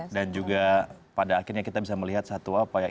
dan juga pada akhirnya kita bisa melihat satu apa ya